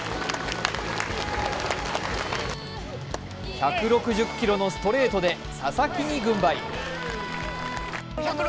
１６０キロのストレートで佐々木に軍配。